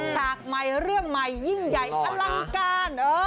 ฉากใหม่เรื่องใหม่ยิ่งใหญ่อลังการ